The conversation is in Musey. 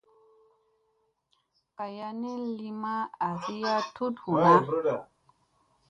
Gaya ni li ma azi a tut huna.